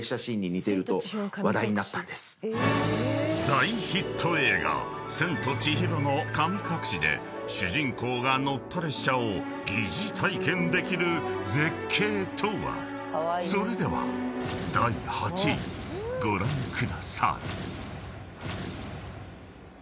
［大ヒット映画『千と千尋の神隠し』で主人公が乗った列車を疑似体験できる絶景とは？］［それでは第８位ご覧ください］